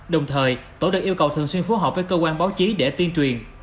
đồng thời tổ được yêu cầu thường xuyên phù hợp với cơ quan báo chí để tiên truyền